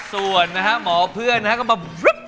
ส่วนนะครับหมอเพื่อนนะครับก็มาบรึ๊บ